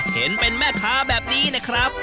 เห็นเป็นแม่ค้าแบบนี้นะครับ